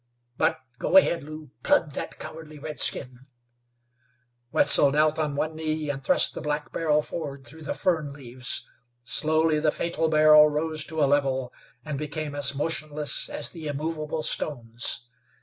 But go ahead, Lew. Plug that cowardly redskin!" Wetzel knelt on one knee, and thrust the black rifle forward through the fern leaves. Slowly the fatal barrel rose to a level, and became as motionless as the immovable stones.